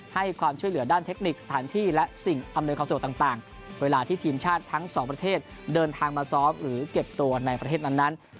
ให้ความช่วยเหลือด้านเทคนิคสถานที่และสิ่งอำนวยความสะดวกต่างเวลาที่ทีมชาติทั้งสองประเทศเดินทางมาซ้อมหรือเก็บตัวในประเทศนั้น